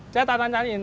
saya tak tanyain